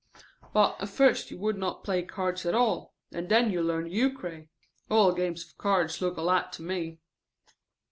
"But at first you would not play cards at all, and then you learned euchre. All games of cards look alike to me."